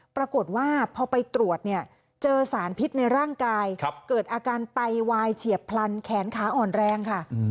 ปรากฏว่าพอไปตรวจเนี่ยเจอสารพิษในร่างกายเกิดอาการไตวายเฉียบพลันแขนขาอ่อนแรงค่ะ